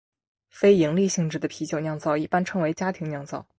非营利性质的啤酒酿造一般称为家庭酿造。